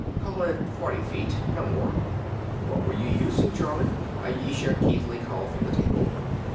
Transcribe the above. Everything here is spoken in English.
"Call it forty feet; no more." "What were you using, Charley?" Ayesha Keithley called from the table.